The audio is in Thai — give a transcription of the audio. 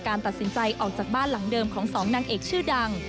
ตัดสินใจออกจากบ้านหลังเดิมของ๒นางเอกชื่อดัง